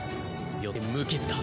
よって無傷だ。